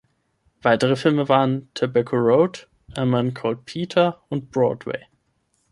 Weitere Filme waren „Tobacco Road“, „A Man Called Peter“ und „Broadway“.